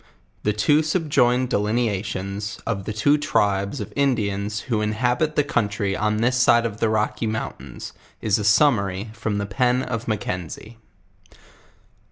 Ths. two subjoined delineations, of the two Tribes of Indians who inhabit the country on this side of the Rocky mountains, is a summary , from the pen of Mackenzie.